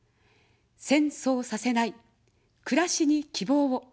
戦争させない、くらしに希望を。